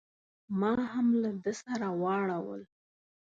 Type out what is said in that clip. ما هم له ده سره واړول.